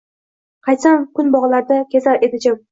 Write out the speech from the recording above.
Qaytsam kuz bog‘larda kezar edi jim